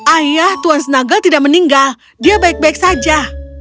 ayah tuan snugle tidak meninggal dia baik baik saja